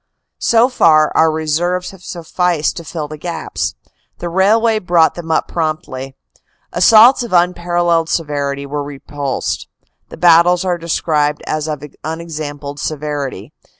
" So far, our reserves have sufficed to fill the gaps. The railway brought them up promptly. Assaults of unparalleled severity were repulsed. The battles are described as of un exampled severity.